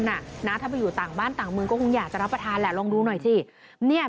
นะถ้าไปอยู่ต่างบ้านต่างเมืองก็คงอยากจะรับประทานแหละลองดูหน่อยสิ